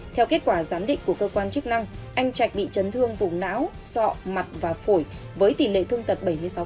theo kết quả gián định của cơ quan chức năng anh trạch bị trấn thương vùng náo sọ mặt và phổi với tỷ lệ thương tật bảy mươi sáu